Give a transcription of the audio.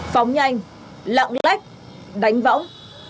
phóng nhanh lặng lách đánh võng